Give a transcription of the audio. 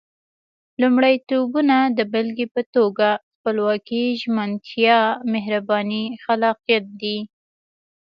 لومړيتوبونه د بېلګې په توګه خپلواکي، ژمنتيا، مهرباني، خلاقيت دي.